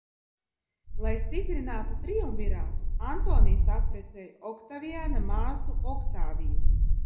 Lai stiprinātu triumvirātu, Antonijs apprecēja Oktaviāna māsu Oktāviju.